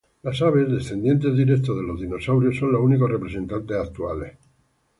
Las aves, descendientes directos de los dinosaurios, son los únicos representantes actuales.